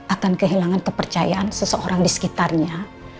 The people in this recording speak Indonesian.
akan kehilangan kepercayaan seseorang di sekitarnya